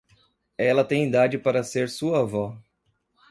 Ela tem idade para ser sua vó.